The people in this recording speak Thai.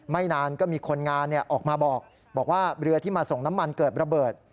ไม่นานก็มีคนงานออกมาบอกว่าเรือที่มาส่งน้ำมันเกิดระเบิด